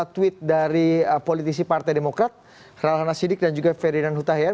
tweet dari politisi partai demokrat rallana sidik dan juga ferdinand hutahian